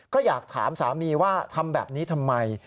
ก็อยากถามสามีว่าทำแบบนี้ทำไม